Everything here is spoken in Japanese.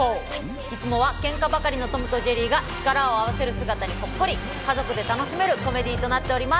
いつもはケンカばかりのトムとジェリーが力を合わせる姿にほっこり、家族で楽しめるコメディーになっています。